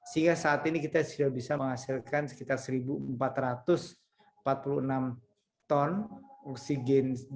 sehingga saat ini kita sudah bisa menghasilkan sekitar satu empat ratus empat puluh enam ton oksigen